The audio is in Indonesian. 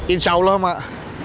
insya allah mak